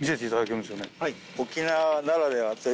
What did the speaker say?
はい。